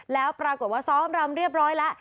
แล้วปรากฏว่าซ้อมรำเรียบร้อยแล้ว